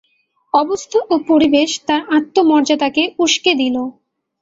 অবস্থা ও পরিবেশ তাঁর আত্মমর্যাদাকে উসকে দিল।